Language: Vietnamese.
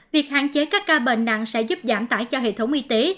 việc hạn chế các ca bệnh nặng sẽ giúp giảm tải cho hệ thống y tế